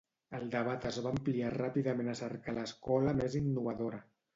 El debat es va ampliar ràpidament a cercar l'escola més innovadora.